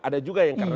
ada juga yang dipilih